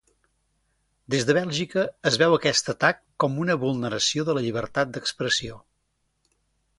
Des de Bèlgica, es veu aquest atac com una vulneració de la llibertat d'expressió.